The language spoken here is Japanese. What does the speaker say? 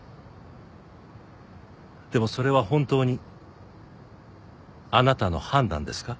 でもそれは本当にあなたの判断ですか？